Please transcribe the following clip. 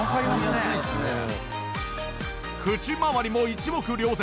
口まわりも一目瞭然。